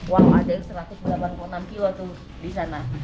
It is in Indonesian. wah ada yang satu ratus delapan puluh enam kilo tuh di sana